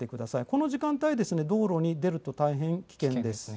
この時間帯は道路に出ると大変危険です。